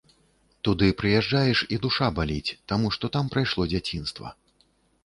Туды прыязджаеш, і душа баліць, таму што там прайшло дзяцінства.